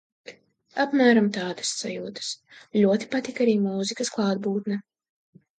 Apmēram tādas sajūtas. Ļoti patika arī mūzikas klātbūtne.